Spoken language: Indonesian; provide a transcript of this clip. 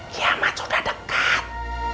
kiamat sudah dekat